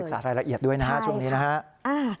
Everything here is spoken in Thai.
คือต้องไปศึกษาระเอียดด้วยนะครับช่วงนี้นะครับ